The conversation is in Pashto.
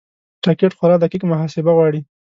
راکټ خورا دقیق محاسبه غواړي